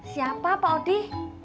siapa pak odi